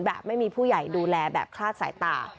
แบบไม่มีผู้ใหญ่ดูแลแบบคลาดสายตา